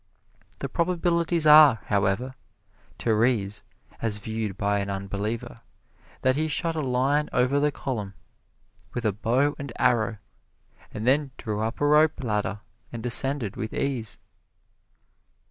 The probabilities are, however, Terese, as viewed by an unbeliever, that he shot a line over the column with a bow and arrow and then drew up a rope ladder and ascended with ease.